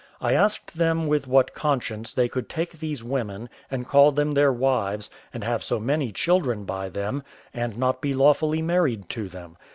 I asked them with what conscience they could take these women, and call them their wives, and have so many children by them, and not be lawfully married to them?